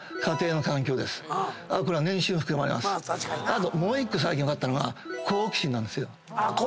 あともう１個最近分かったのは好奇心なんですよ。